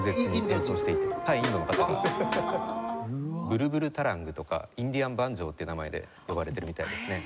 ブルブルタラングとかインディアンバンジョーっていう名前で呼ばれてるみたいですね。